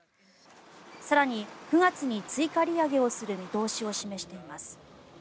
更に、９月に追加利上げをする見通しを示しています。